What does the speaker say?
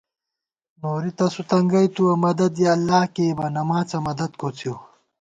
نوری تسُو تنگَئیتُوَہ مدد یَہ اللہ کېئیبہ، نماڅہ مدد کوڅِؤ